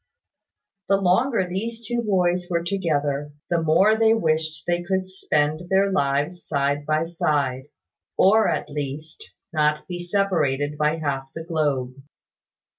The longer these two boys were together, the more they wished they could spend their lives side by side; or, at least, not be separated by half the globe.